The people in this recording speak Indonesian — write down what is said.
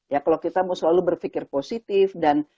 ya kalau kita mau selalu berpikir positif dan